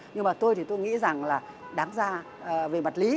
nhưng mà tôi thì tôi nghĩ rằng là đáng ra về mặt lý